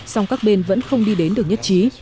song các bên vẫn không đi đến được nhất trí